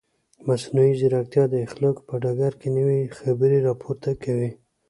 مصنوعي ځیرکتیا د اخلاقو په ډګر کې نوې خبرې راپورته کوي.